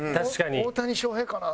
大谷翔平かな？